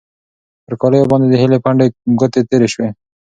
پر کالیو باندې د هیلې پنډې ګوتې تېرې شوې.